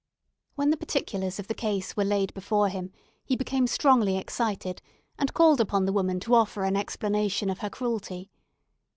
When the particulars of the case were laid before him, he became strongly excited, and called upon the woman to offer an explanation of her cruelty.